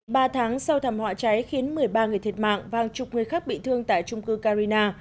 ba tháng sau thảm họa cháy khiến một mươi ba người thiệt mạng và hàng chục người khác bị thương tại trung cư carina